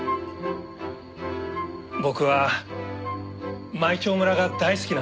僕は舞澄村が大好きなんです。